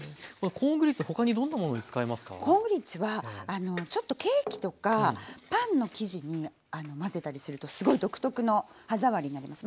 コーングリッツはちょっとケーキとかパンの生地に混ぜたりするとすごい独特の歯触りになります。